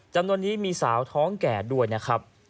จำนวนนี้มีสาวท้องแก่ด้วยนะครับ